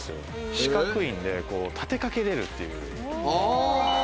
四角いんで、立てかけられるっていう。